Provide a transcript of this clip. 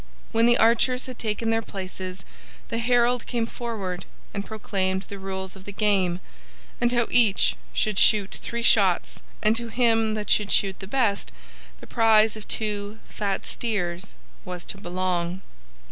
When the archers had taken their places, the herald came forward and proclaimed the rules of the game, and how each should shoot three shots, and to him that should shoot the best the prize of two fat steers was to belong.